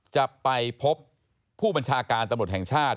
จะไปพบผู้บัญชาการตำรวจแห่งชาติ